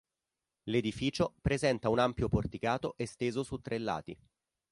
L'edificio presenta un ampio porticato esteso su tre lati.